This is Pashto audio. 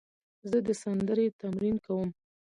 زه د سندرې تمرین کوم.